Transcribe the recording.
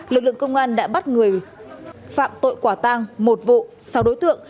lực lượng công an đã bắt người phạm tội quả tang một vụ sáu đối tượng